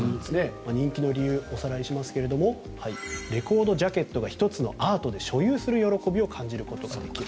人気の理由をおさらいしますとレコードジャケットが１つのアートで所有する喜びを感じることができる。